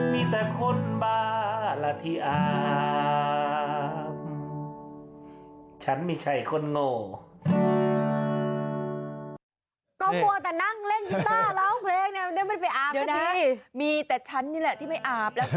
มีแต่ฉันนี่แหละที่ไม่อาบ